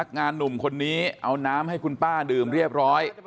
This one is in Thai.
งานหนุ่มคนนี้เอาน้ำให้คุณป้าดื่มเรียบร้อย